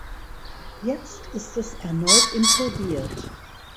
Jetzt ist es erneut implodiert.